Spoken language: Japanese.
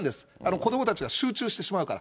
子どもたちが集中してしまうから。